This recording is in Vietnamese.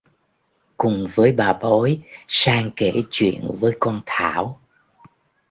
cùng với bà bói sang kể chuyện với con thảo